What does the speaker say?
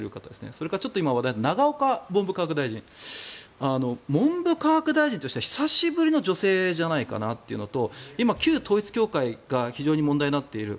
それから今ちょっと話題の永岡文部科学大臣文部科学大臣としては久しぶりの女性じゃないかということと今、旧統一教会が非常に問題になっている